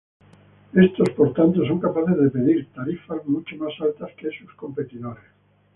Estos, por tanto, son capaces de pedir tarifas mucho más altas que sus competidores.